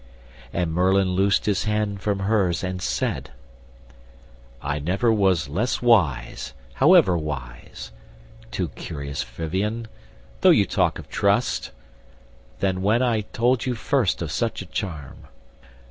And Merlin loosed his hand from hers and said, "I never was less wise, however wise, Too curious Vivien, though you talk of trust, Than when I told you first of such a charm.